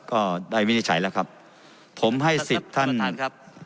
วินิจฉัยแล้วครับผมให้สิทธิ์ท่านครับ